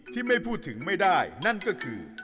ที่ไม่พูดถึงไม่ได้นั่นก็คือ